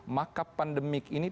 maka pandemik ini